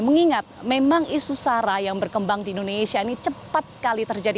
mengingat memang isu sara yang berkembang di indonesia ini cepat sekali terjadi